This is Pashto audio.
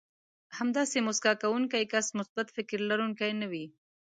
همداسې مسکا کوونکی کس مثبت فکر لرونکی نه وي.